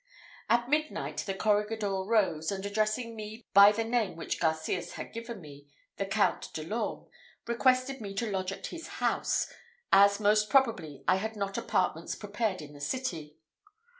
At midnight the corregidor rose, and addressing me by the name which Garcias had given me, the Count de l'Orme, requested me to lodge at his house, as most probably I had not apartments prepared in the city.